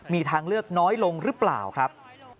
มีทางเลือกน้อยลงหรือเปล่าครับ